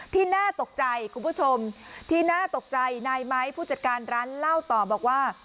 น่าตกใจคุณผู้ชมที่น่าตกใจนายไม้ผู้จัดการร้านเล่าต่อบอกว่า